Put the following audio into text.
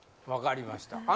分かりました。